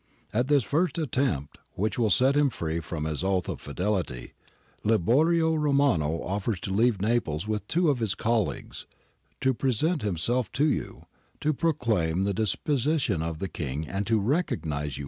At this first attempt, which will set him free from his oath of fidelity, Liborio Romano offers to leave Naples with two of his colleagues, to present himself to you, to proclaim the de position of the King and to recognise you as Dictator.'